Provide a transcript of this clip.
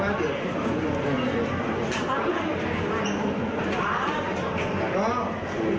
ยังไม่มีฝ่ายกล้อง